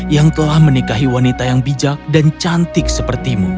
yang telah menikahi wanita yang bijak dan cantik sepertimu